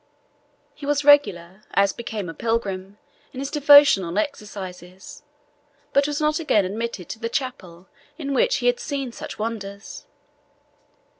He was regular, as became a pilgrim, in his devotional exercises, but was not again admitted to the chapel in which he had seen such wonders.